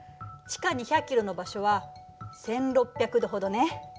地下２００ｋｍの場所は１６００℃ほどね。